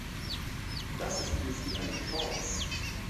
Das ist für Sie eine Chance.